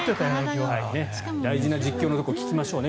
大事な実況を聞きましょうね。